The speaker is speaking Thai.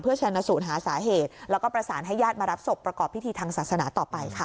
ชนะสูตรหาสาเหตุแล้วก็ประสานให้ญาติมารับศพประกอบพิธีทางศาสนาต่อไปค่ะ